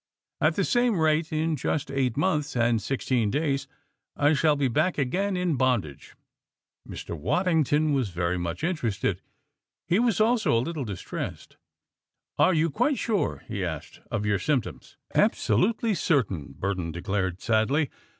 At the same rate, in just eight months and sixteen days I shall be back again in bondage." Mr. Waddington was very much interested. He was also a little distressed. "Are you quite sure," he asked, "of your symptoms?" "Absolutely certain," Burton declared sadly.